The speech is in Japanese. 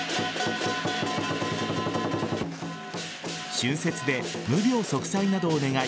春節で無病息災などを願い